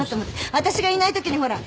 私がいないときにほら。